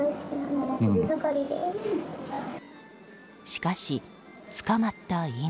しかし、捕まった今。